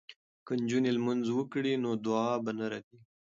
که نجونې لمونځ وکړي نو دعا به نه ردیږي.